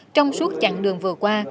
trong suốt chặng đường vừa qua